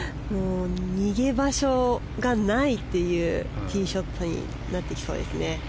逃げ場所がないというティーショットになってきそうですね。